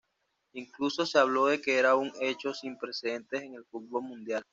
Incluso se habló de que era un hecho sin precedentes en el fútbol mundial.